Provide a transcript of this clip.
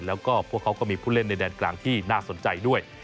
แล้วก็พวกเขาก็มีผู้เล่นในแดนกลางที่น่าสนใจด้วย